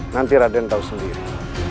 nanti raden tahu sendiri